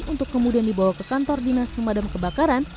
untuk kemudian dibawa ke kantor dinas pemadam kebakaran